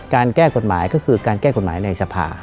แก้กฎหมายก็คือการแก้กฎหมายในสภา